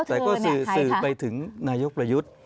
แต่ก็สื่อไปถึงนายกประยุทธ์